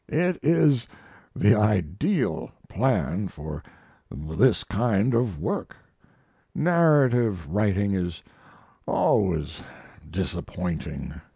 "It is the ideal plan for this kind of work. Narrative writing is always disappointing.